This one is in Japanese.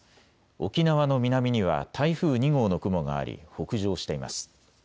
沖縄の南には台風２号の雲があり北上しています。